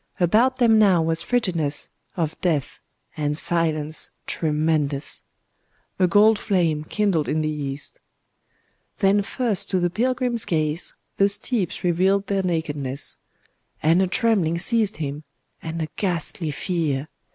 About them now was frigidness of death,—and silence tremendous….A gold flame kindled in the east. Then first to the pilgrim's gaze the steeps revealed their nakedness;—and a trembling seized him,—and a ghastly fear.